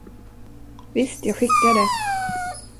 Visst, jag skickar det.